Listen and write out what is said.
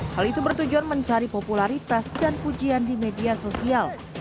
hal itu bertujuan mencari popularitas dan pujian di media sosial